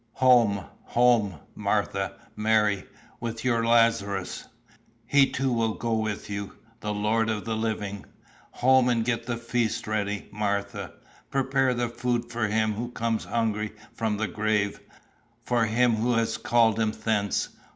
Home, home, Martha, Mary, with your Lazarus! He too will go with you, the Lord of the Living. Home and get the feast ready, Martha! Prepare the food for him who comes hungry from the grave, for him who has called him thence.